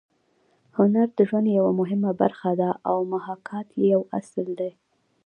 هنر د ژوند یوه مهمه برخه ده او محاکات یې یو اصل دی